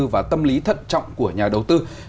và tâm lý thận trọng của nhà đầu tư